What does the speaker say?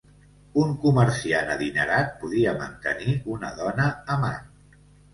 Un comerciant adinerat podia mantenir una dona amant.